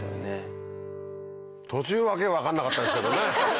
途中訳分かんなかったですけどね。